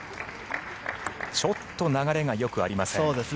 ちょっと流れがよくありません。